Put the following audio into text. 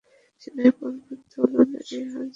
Sinai পর্বত হলো নবী হযরত মুসা এর স্মৃতিবিজড়িত স্থান।